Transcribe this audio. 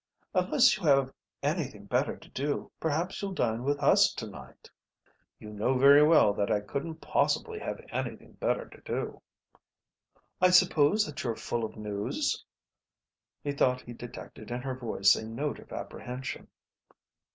"Unless you have anything better to do perhaps you'll dine with us to night." "You know very well that I couldn't possibly have anything better to do." "I suppose that you're full of news?" He thought he detected in her voice a note of apprehension.